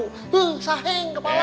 hmm saheng kepala